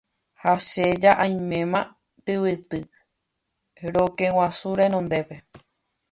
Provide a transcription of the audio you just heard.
ha che ja aiméma tyvyty rokẽguasu renondépe.